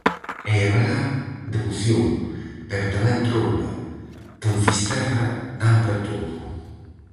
E haberá devoción, pero tamén troula, que en Fisterra dan para todo.